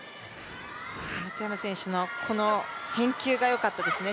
松山選手のこの返球がよかったですね。